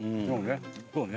そうね。